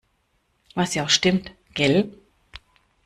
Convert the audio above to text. Was ja auch stimmt. Gell?